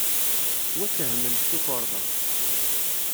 Ttwattehmen s tukerḍa.